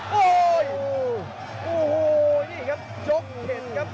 ขอโอ้เฮ้ยมันเดินไปเลยครับ